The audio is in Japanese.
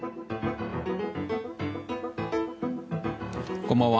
こんばんは。